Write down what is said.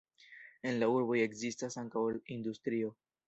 En la urboj ekzistas ankaŭ industrio.